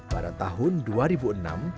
pada tahun dua ribu enam ida mendirikan buku ini